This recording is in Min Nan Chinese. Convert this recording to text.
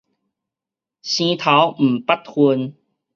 生頭毋捌份